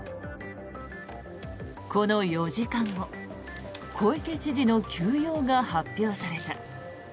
この４時間後小池知事の休養が発表された。